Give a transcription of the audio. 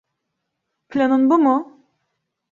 Planın bu mu?